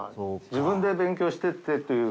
自分で勉強していってという。